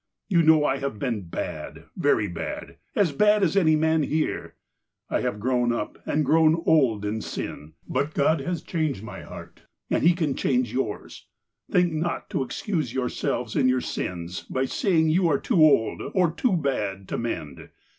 You know I have been bad, very bad, as bad as anv man here I have grown up, and grown old in sin. " But God has changed my heart, and He can change yours. Think not to excuse yourselves in your sins by sayiug you are too old, or too bad, to mend.